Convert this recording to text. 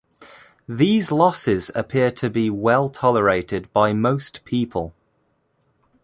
These losses appear to be well tolerated by most people.